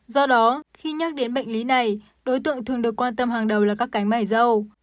do đó khi nhắc đến bệnh lý này đối tượng thường được quan tâm hàng đầu là các cái mải dâu